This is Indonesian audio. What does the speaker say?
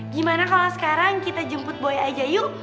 gimana kalo sekarang kita jemput boy aja yuk